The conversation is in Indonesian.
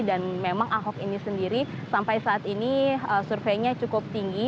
dan memang ahok ini sendiri sampai saat ini surveinya cukup tinggi